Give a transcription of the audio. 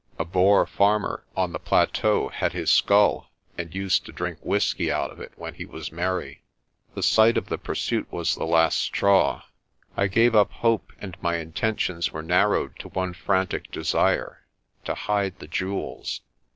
A Boer farmer on the plateau had his skull, and used to drink whisky out of it when he was merry. The sight of the pursuit was the last straw. I gave up hope and my intentions were narrowed to one frantic desire to hide the jewels.